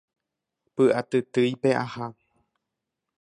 py'atytýipe aha